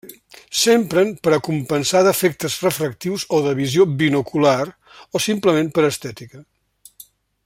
S'empren per a compensar defectes refractius o de visió binocular, o simplement per estètica.